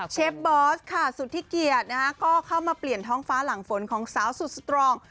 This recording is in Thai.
เชฟบอสค่ะสุดที่เกียรตินะคะก็เข้ามาเปลี่ยนท้องฟ้าหลังฝนของสาวสุดสตรอง